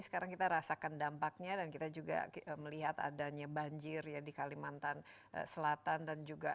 mengakibatkan peningkatan apa curah hujan juga